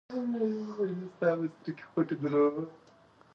باسواده نجونې د نورو کلتورونو درناوی کوي.